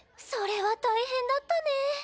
それは大変だったねえ。